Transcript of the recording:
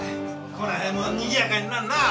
この辺もにぎやかになるなぁ。